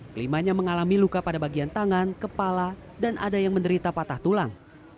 kelimanya mengalami luka pada bagian tangan kepala dan ada yang menderita patah tulang